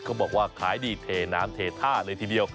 บอกว่าขายดีเทน้ำเทท่าเลยทีเดียว